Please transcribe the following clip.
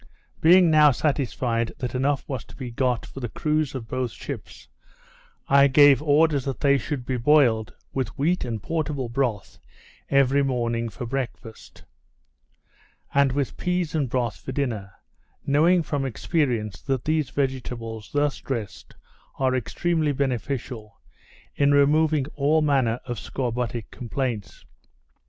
Being now satisfied, that enough was to be got for the crews of both ships, I gave orders that they should be boiled, with wheat and portable broth, every morning for breakfast; and with peas and broth for dinner; knowing from experience, that these vegetables, thus dressed, are extremely beneficial, in removing all manner of scorbutic complaints.